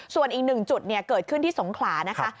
ส่วนอีกหนึ่งจุดเกิดขึ้นที่สงขลานะคะ